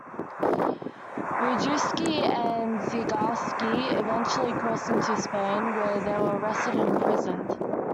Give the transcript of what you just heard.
Rejewski and Zygalski eventually crossed into Spain, where they were arrested and imprisoned.